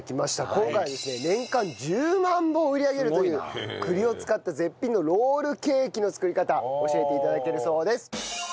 今回はですね年間１０万本売り上げるという栗を使った絶品のロールケーキの作り方教えて頂けるそうです。